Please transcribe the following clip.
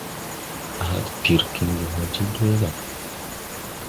A had pir kiŋgi hwal ti dwee ga.